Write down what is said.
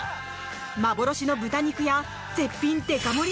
幻の豚肉や絶品デカ盛り